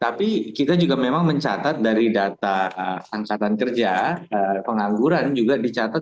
tapi kita juga memang mencatat dari data angkatan kerja pengangguran juga dicatat